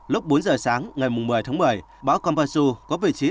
lúc bốn giờ sáng ngày một mươi tháng một mươi báo kompassu có vị trí